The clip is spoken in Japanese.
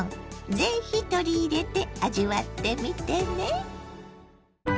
是非取り入れて味わってみてね。